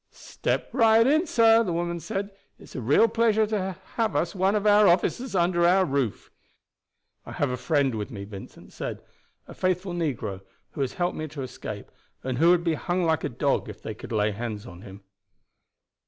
"Step right in, sir," the woman said. "It's a real pleasure to us to have one of our officers under our roof." "I have a friend with me," Vincent said; "a faithful negro, who has helped me to escape, and who would be hung like a dog if they could lay hands on him."